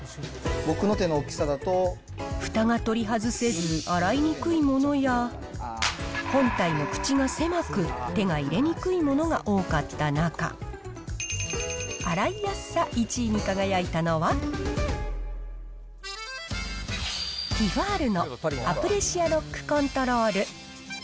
ふたが取り外せず、洗いにくいものや、本体の口が狭く、手が入れにくいものが多かった中、洗いやすさ１位に輝いたのは、ティファールのアプレシアロックコントロール。